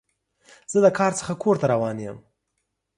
زه د کار څخه کور ته روان یم.